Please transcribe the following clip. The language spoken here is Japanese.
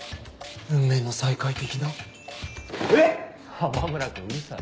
浜村君うるさい。